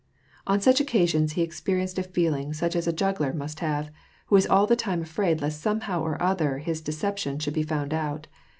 On such occasions, he experienced a feeling such as a juggler must have, who is all the time afraid lest somehow or other his deception should be found out.